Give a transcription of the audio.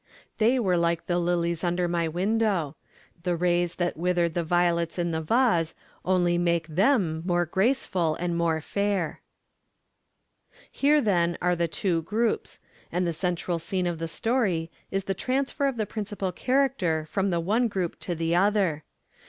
They were like the lilies under my window; the rays that withered the violets in the vase only make them more graceful and more fair. III Here, then, are the two groups; and the central scene of the story is the transfer of the principal character from the one group to the other.